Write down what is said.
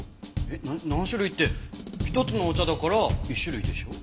えっ何種類って一つのお茶だから１種類でしょ？